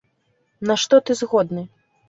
На што ты згодны?